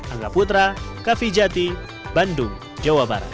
angka putra café jati bandung jawa barat